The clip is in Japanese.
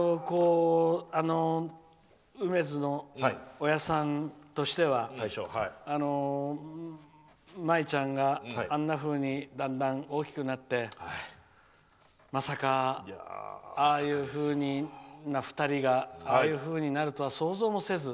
うめづのおやじさんとしては舞ちゃんが、あんなふうにだんだん大きくなってまさか、ああいうふうな２人がああいうふうになるとは想像もせず。